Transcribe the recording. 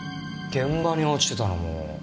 現場に落ちてたのも。